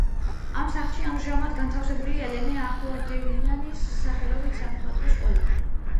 ამ სახლში ამჟამად განთავსებულია ელენე ახვლედიანის სახელობის სამხატვრო სკოლა.